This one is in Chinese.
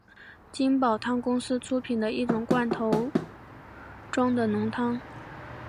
金宝汤公司出品的一种罐头装的浓汤。